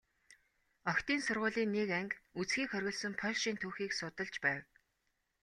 Охидын сургуулийн нэг анги үзэхийг хориглосон польшийн түүхийг судалж байв.